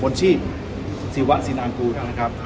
มอยชีพทางสินางคู่นะครับ